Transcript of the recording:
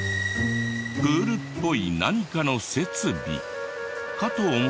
プールっぽい何かの設備かと思ったら。